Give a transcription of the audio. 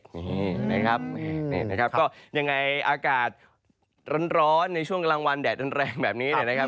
นี่นะครับก็ยังไงอากาศร้อนในช่วงกลางวันแดดแรงแบบนี้นะครับ